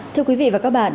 thưa quý vị và các bạn